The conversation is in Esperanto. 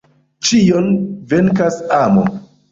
Ĉion venkas amo.